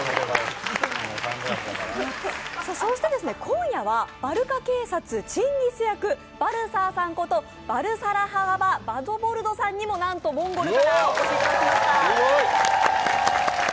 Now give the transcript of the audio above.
そして今夜はバルカ警察、チンギス役バルサーさんこと、バルサラハガバ・バトボルドさんにもなんとモンゴルからお越しいただきました。